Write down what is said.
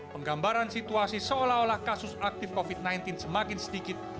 penggambaran situasi seolah olah kasus aktif covid sembilan belas semakin sedikit